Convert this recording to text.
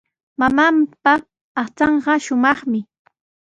Mamaapa aqchanqa shumaqmi.